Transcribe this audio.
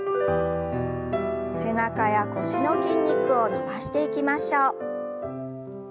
背中や腰の筋肉を伸ばしていきましょう。